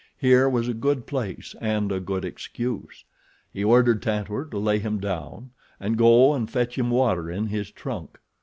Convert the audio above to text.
Here was a good place and a good excuse. He ordered Tantor to lay him down, and go and fetch him water in his trunk.